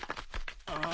ああ？